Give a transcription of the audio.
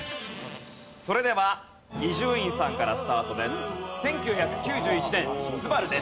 それでは伊集院さんからスタートです。